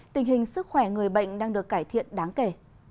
tình hình sức khỏe người bệnh đang được cải thiện đáng kể